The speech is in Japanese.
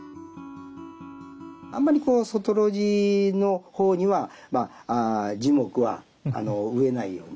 あんまりこう外露地の方には樹木は植えないように。